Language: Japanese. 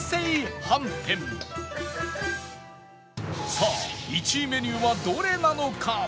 さあ１位メニューはどれなのか？